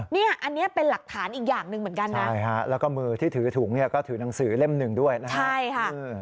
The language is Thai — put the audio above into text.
เนี่ยอันนี้เป็นหลักฐานอีกอย่างหนึ่งเหมือนกันนะใช่ฮะแล้วก็มือที่ถือถุงเนี่ยก็ถือหนังสือเล่มหนึ่งด้วยนะครับใช่ค่ะ